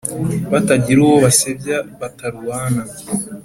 batagira uwo basebya batarwana